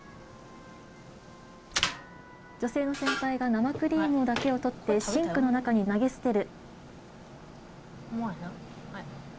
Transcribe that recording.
女性の先輩が生クリームだけを取って、シンクの中に投げ捨てる。